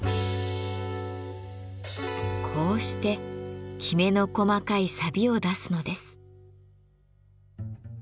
こうしてきめの細かいさびを出すのです。